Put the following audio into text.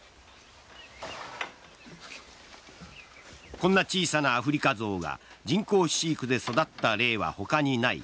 こんな小さなアフリカゾウが人工飼育で育った例は他にない。